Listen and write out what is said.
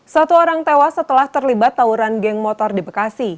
satu orang tewas setelah terlibat tawuran geng motor di bekasi